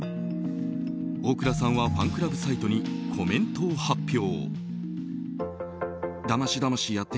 大倉さんはファンクラブサイトにコメントを発表。